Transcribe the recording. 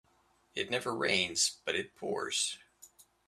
It never rains but it pours.